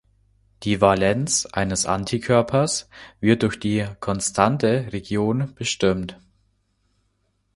Die Valenz eines Antikörpers wird durch die konstante Region bestimmt.